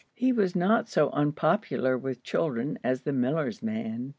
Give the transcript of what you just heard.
He was not so unpopular with children as the miller's man.